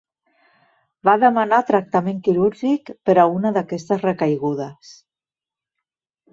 Va demanar tractament quirúrgic per a una d'aquestes recaigudes.